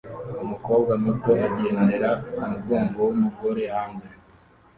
Umukobwa muto agendera kumugongo wumugore hanze